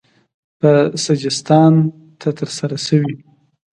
یا سجستان ته ترسره شوی